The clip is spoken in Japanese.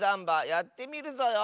やってみるぞよ。